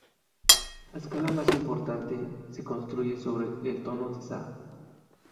La escala más importante se construye sobre el tono de sa.